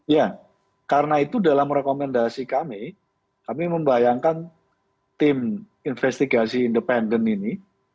ya karena itu dalam rekomendasi kami kami membayangkan tim investigasi independen ini